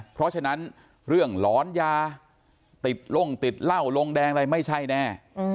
เพราะฉะนั้นเรื่องหลอนยาติดล่งติดเหล้าลงแดงอะไรไม่ใช่แน่